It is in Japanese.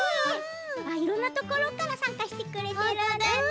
いろんなところからさんかしてくれてるんだね。